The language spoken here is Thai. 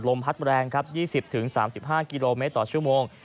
พัดแรงครับ๒๐๓๕กิโลเมตรต่อชั่วโมง